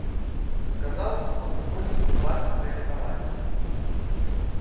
Сказаў, што прыходзіць у парк рэпетаваць.